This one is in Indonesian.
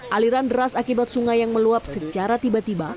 aliran deras akibat sungai yang meluap secara tiba tiba